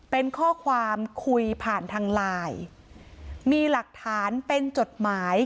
เป็นข้อความคุยผ่านทางไลน์มีหลักฐานเป็นจดหมาย